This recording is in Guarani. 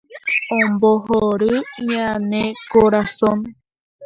ombohory ñane korasõ